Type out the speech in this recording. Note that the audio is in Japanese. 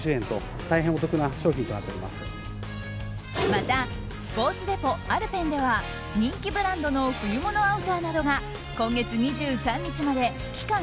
またスポーツデポ・アルペンでは人気ブランドの冬物アウターなどが今月２３日まで期間